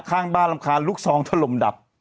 ข้างบ้านรำคาลลูกทรองทรลมดับ